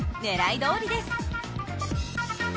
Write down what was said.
狙いどおりです。